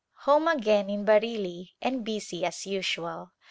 Home again in Bareilly and busy as usual.